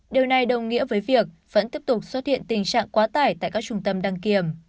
điều này đồng nghĩa với việc vẫn tiếp tục xuất hiện tình trạng quá tải tại các trung tâm đăng kiểm